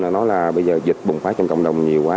nói là bây giờ dịch bùng phát trong cộng đồng nhiều quá